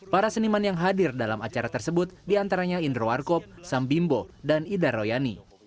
para seniman yang hadir dalam acara tersebut diantaranya indro warkop sambimbo dan ida royani